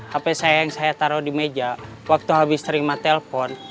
hape saya yang saya taro di meja waktu habis terima telpon